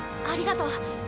ありがとう。